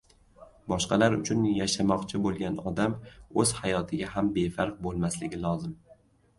Boshqalar uchun yashamoqchi bo‘lgan odam o‘z hayotiga ham befarq bo‘lmasligi lozim.